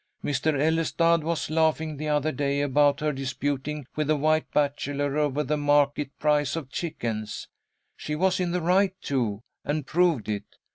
Mr. Ellestad was laughing the other day about her disputing with the White Bachelor over the market price of chickens. She was in the right, too, and proved it.